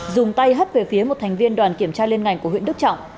dùng tay hất về phía một thành viên đoàn kiểm tra liên ngành của huyện đức trọng